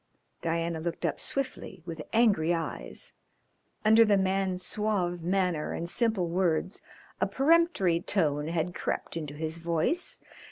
Diana looked up swiftly with angry eyes. Under the man's suave manner and simple words a peremptory tone had crept into his voice.